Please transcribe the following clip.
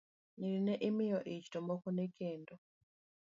Nyiri ne imiyo ich, to moko ne ikendo.